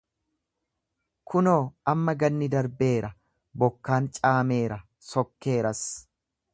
Kunoo, amma ganni darbeera, bokkaan caameera, sokkeeras;